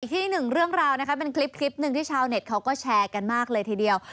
ที่หนึ่งเรื่องราวนะคะเป็นคลิปหนึ่งที่ชาวเน็ตเขาก็แชร์กันมากเลยทีเดียว